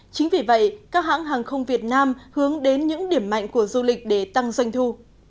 chính vì vậy các hãng hàng không việt nam hướng đến những điểm mạnh của du lịch để tăng doanh thu